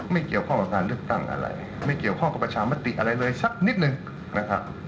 ไม่เกี่ยวข้องกับคำต่อหนึ่งเลยนะครับ